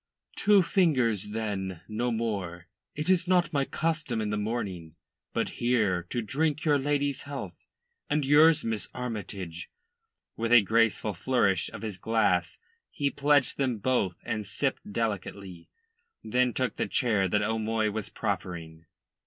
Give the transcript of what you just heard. "Two fingers, then no more. It is not my custom in the morning. But here to drink your lady's health, and yours, Miss Armytage." With a graceful flourish of his glass he pledged them both and sipped delicately, then took the chair that O'Moy was proffering.